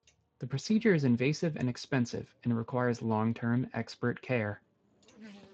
The procedure is invasive and expensive, and requires long-term expert care.